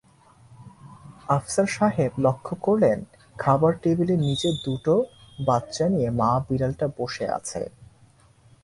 আফসার সাহেব লক্ষ করলেন-খাবার টেবিলের নিচে দুটো বাচ্চানিয়ে মা-বিড়ালটা বসে আছে।